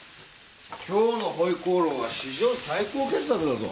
今日の回鍋肉は史上最高傑作だぞ。